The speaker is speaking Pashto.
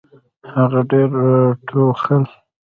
هغه ډېر ټوخل .